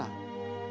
ya gembira bukan